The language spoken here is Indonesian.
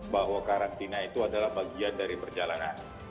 bahwa karantina itu adalah bagian dari perjalanan